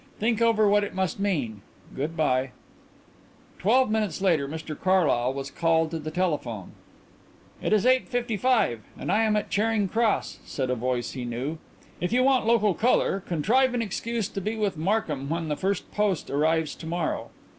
Think over what it must mean. Good bye." Twelve minutes later Mr Carlyle was called to the telephone. "It is eight fifty five and I am at Charing Cross," said a voice he knew. "If you want local colour contrive an excuse to be with Markham when the first post arrives to morrow."